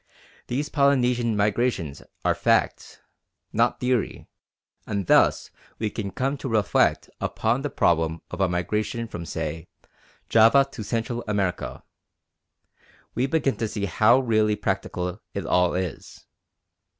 These Polynesian migrations are fact, not theory; and thus when we come to reflect upon the problem of a migration from, say, Java to Central America, we begin to see how really practicable it all is.